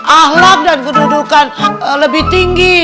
ahlak dan kedudukan lebih tinggi